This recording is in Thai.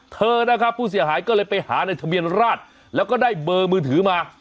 เธอนะครับผู้เสียหายก็เลยไปหาในทะเบียนราชแล้วก็ได้เบอร์มือถือมา